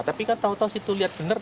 tapi kan tau tau situ lihat bener